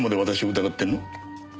疑ってる？